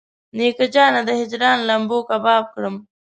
نیکه جانه د هجران لمبو کباب کړم.